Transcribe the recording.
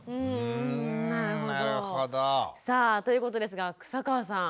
さあということですが草川さん